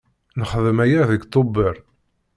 Nexdem aya deg Tubeṛ.